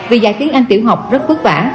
vì dạy tiếng anh tiểu học rất phức vả